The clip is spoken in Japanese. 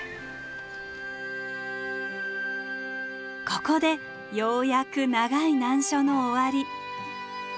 ここでようやく長い難所の終わり。